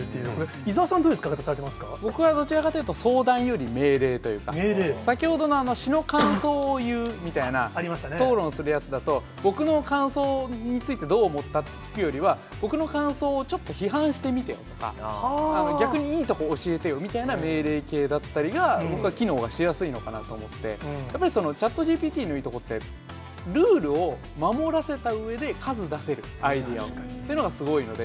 伊沢さん、僕はどちらかというと、相談より命令というか、先ほどの詩の感想をいうみたいな討論するやつだと、僕の感想についてどう思ったって聞くよりは、僕の感想をちょっと批判してみてとか、逆にいいところ教えてよみたいな命令けいだったりとかが、僕は機能がしやすいのかなと思って、やっぱりチャットＧＰＴのいいところって、ルールを守らせたうえで数出せる、アイデアをというのがすごいので。